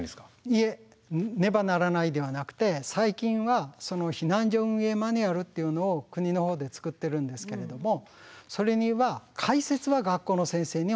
いえ「ねばならない」ではなくて最近は避難所運営マニュアルっていうのを国のほうで作ってるんですけれどもそれには開設は学校の先生にお願いをする。